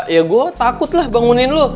ya gue takut lah bangunin lu